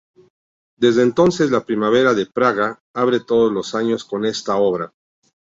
Desde entonces, la "Primavera de Praga" abre todos los años con esta obra.